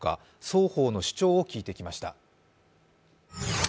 双方主張を聞いてきました。